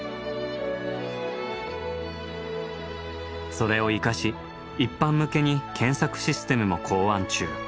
それを生かし一般向けに検索システムも考案中。